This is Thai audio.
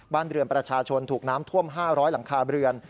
บ้านเรือนประชาชนถูกน้ำท่วม๕๐๐หลังคาเรือน